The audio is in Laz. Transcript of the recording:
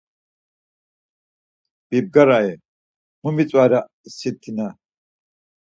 Bibgarai, mu mitzvare, si tina